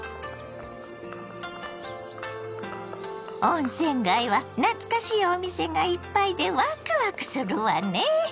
温泉街は懐かしいお店がいっぱいでワクワクするわね。